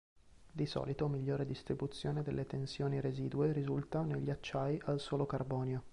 Di solito migliore distribuzione delle tensioni residue risulta negli acciai al solo carbonio.